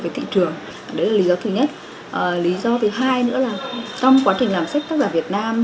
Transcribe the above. với thị trường đấy là lý do thứ nhất lý do thứ hai nữa là trong quá trình làm sách tác giả việt nam